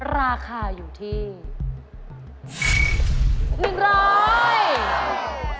ราคาอยู่ที่๑๐๐บาท